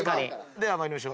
では参りましょう。